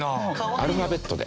アルファベットで。